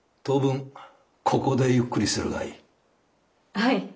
当分ここでゆっくりするがいい。